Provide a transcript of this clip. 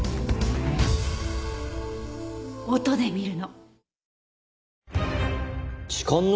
音で見るの。